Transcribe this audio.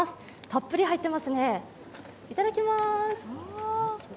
たっぷり入っていますねいただきます！